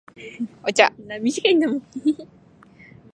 お茶